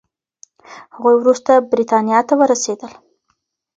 هغوی وروسته بریتانیا ته ورسېدل.